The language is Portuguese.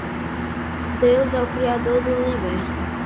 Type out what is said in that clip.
Deus é o Criador do Universo